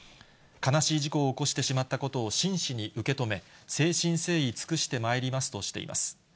悲しい事故を起こしてしまったことを真摯に受け止め、誠心誠意尽くしてまいりますとしています。